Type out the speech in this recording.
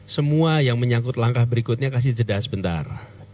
semua yang menyangkut langkah berikutnya kasih jeda sebentar